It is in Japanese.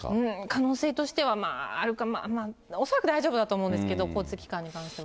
可能性としては、あるかな、恐らく大丈夫だと思うんですけど、交通機関に関しては。